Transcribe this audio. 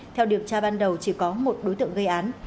theo điều tra ban đầu chỉ có một đối tượng gây án